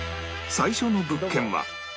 最初の物件は